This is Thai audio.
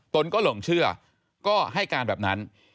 ตนก็หลงเชื่อก็ให้การแบบนั้น